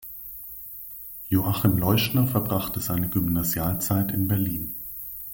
Joachim Leuschner verbrachte seine Gymnasialzeit in Berlin.